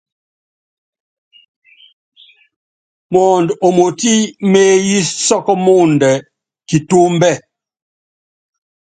Mɔɔnd omotí meéyí sɔ́k mɔɔndɛ kitúmbɛ́.